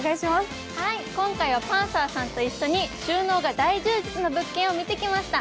今回はパンサーさんと一緒に、収納が大充実な物件を見てきました。